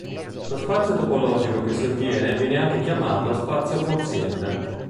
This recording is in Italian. Lo spazio topologico che si ottiene viene anche chiamato spazio quoziente.